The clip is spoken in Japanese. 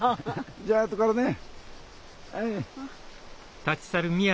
じゃあとからね。